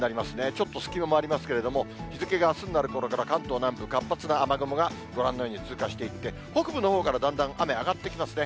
ちょっと隙間もありますけれども、日付があすになるころから、関東南部、活発な雨雲がご覧のように通過していって、北部のほうからだんだん雨上がってきますね。